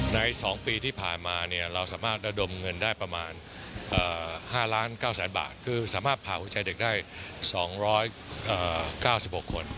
ใน๒ปีที่ผ่านมาเราสามารถระดมเงินได้ประมาณ๕๙๐๐๐บาทคือสามารถเผาชายเด็กได้๒๙๖คน